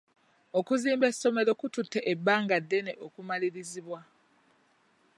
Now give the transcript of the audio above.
Okuzimba essomero kututte ebbanga ddene okumalirizibwa.